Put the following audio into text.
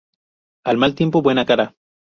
Al mal tiempo, buena cara